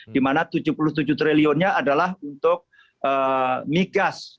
di mana rp tujuh puluh tujuh triliunnya adalah untuk migas